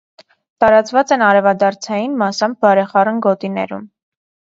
Տարածված են արևադարձային, մասամբ՝ բարեխառն գոտիներում։